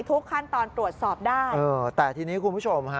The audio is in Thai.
ทุกขั้นตอนตรวจสอบได้เออแต่ทีนี้คุณผู้ชมฮะ